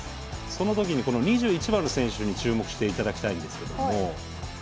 そのときにこの２１番の選手に注目していただきたいんですけども。